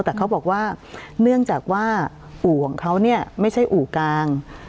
แต่เขาบอกว่าเนื่องจากว่าอู่ของเขาเนี่ยไม่ใช่อู่กลาง